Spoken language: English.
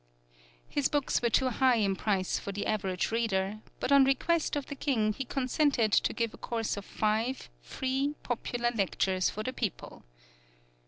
His books were too high in price for the average reader, but on request of the King he consented to give a course of five, free, popular lectures for the people.